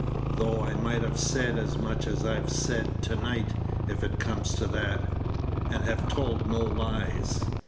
though I might have said as much as I've said tonight, if it comes to that, and have told no lies.